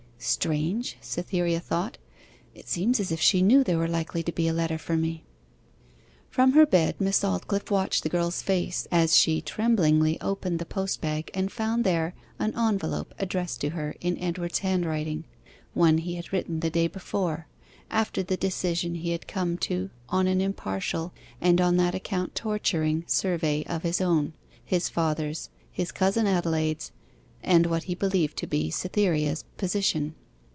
'Strange!' Cytherea thought; 'it seems as if she knew there was likely to be a letter for me.' From her bed Miss Aldclyffe watched the girl's face as she tremblingly opened the post bag and found there an envelope addressed to her in Edward's handwriting; one he had written the day before, after the decision he had come to on an impartial, and on that account torturing, survey of his own, his father's, his cousin Adelaide's, and what he believed to be Cytherea's, position.